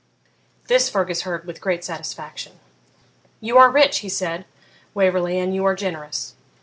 This Fergus heard with great satisfaction. 'You are rich,' he said, 'Waverley, and you are generous.